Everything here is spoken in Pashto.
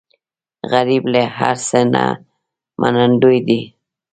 غریب له هر څه نه منندوی وي